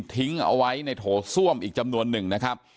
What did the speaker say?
ทิ้งเอาไว้ในโถส้วมอีกจำนวนหนึ่งนะครับ